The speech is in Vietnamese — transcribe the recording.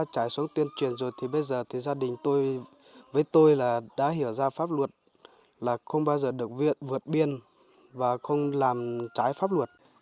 tất cả các gia đình với tôi đã hiểu ra pháp luật là không bao giờ được vượt biên và không làm trái pháp luật